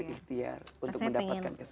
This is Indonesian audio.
ikhtiar untuk mendapatkan kesembuhan